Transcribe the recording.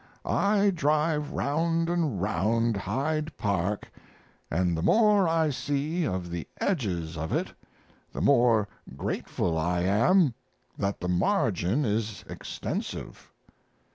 I drive round and round Hyde Park and the more I see of the edges of it the more grateful I am that the margin is extensive.